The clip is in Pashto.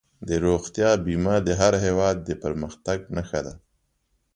د روغتیا بیمه د هر هېواد د پرمختګ نښه ده.